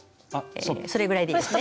それぐらいでいいですね。